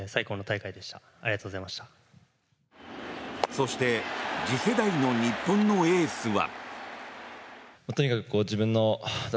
そして次世代の日本のエースは。